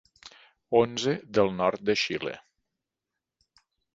Onze del nord de Xile.